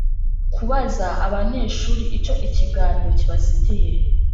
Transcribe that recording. Kubaza abanyeshuri icyo ikiganiro kibasigiye